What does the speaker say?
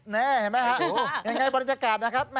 เห็นไหมครับยังไงบรรยากาศนะครับ